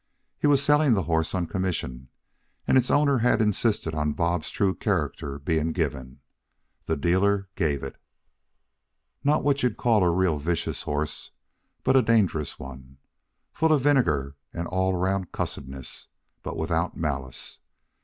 He was selling the horse on commission, and its owner had insisted on Bob's true character being given. The dealer gave it. "Not what you'd call a real vicious horse, but a dangerous one. Full of vinegar and all round cussedness, but without malice.